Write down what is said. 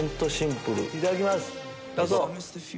いただきます。